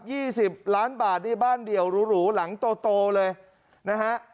สิบล้านบาทนี่บ้านเดี่ยวหรูหรูหลังโตโตเลยนะฮะ